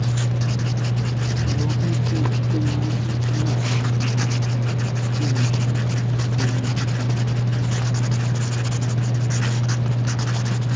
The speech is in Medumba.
Yomi bo Kemaju’ na’ lo mà nkebnjù nke nèn ntàne.